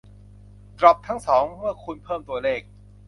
ดร็อปทั้งสองเมื่อคุณเพิ่มตัวเลข